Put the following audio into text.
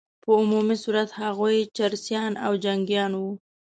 په عمومي صورت هغوی چرسیان او جنګیان وه.